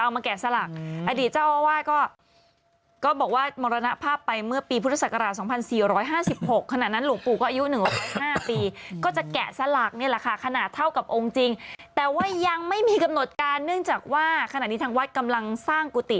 ไม่มีกำหนดการเนื่องจากว่าขณะนี้ทางวัดกำลังสร้างกุฏิ